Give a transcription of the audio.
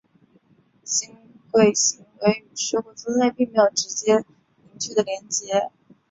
社会行为与社会分类并没有直接明确的连结。